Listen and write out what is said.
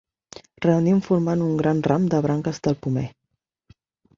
Reunint formant un gran ram de branques del pomer.